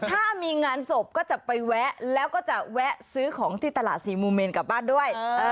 ถ้ามีงานศพก็จะไปแวะแล้วก็จะแวะซื้อของที่ตลาดสี่มูเมนกลับบ้านด้วย